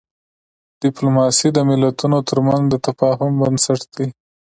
ډیپلوماسي د ملتونو ترمنځ د تفاهم بنسټ دی.